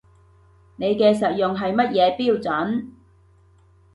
你嘅實用係乜嘢標準